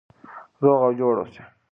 روغ او جوړ اوسئ.